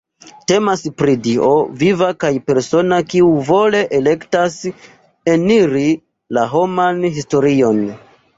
Temas pri Dio viva kaj persona kiu vole elektas eniri la homan historion.